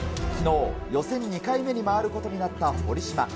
きのう、予選２回目に回ることになった堀島。